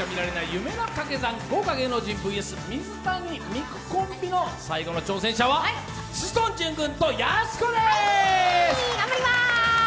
夢のカケ算、豪華芸能人ＶＳ水谷松島コンビ、最後の挑戦者は志尊淳君とやす子です！